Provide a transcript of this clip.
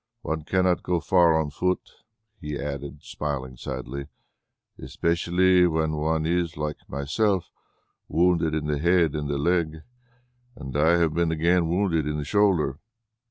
One cannot go far on foot!" he added, smiling sadly, "especially when one is, like myself, wounded in the head and the leg. And I have been again wounded in the shoulder."